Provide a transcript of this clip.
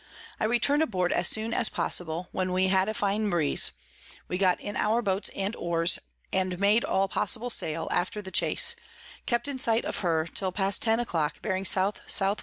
I return'd aboard as soon as possible, when we had a fine Breeze: we got in our Boats and Oars, and made all possible Sail after the Chase, kept in sight of her till past ten a clock, bearing S S W.